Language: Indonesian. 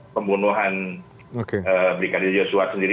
pembunuhan brigadir joshua sendiri